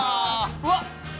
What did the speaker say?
うわっ